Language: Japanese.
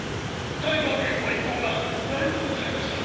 タイバー家御一行が来訪されました！！